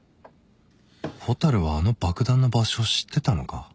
蛍はあの爆弾の場所を知ってたのか？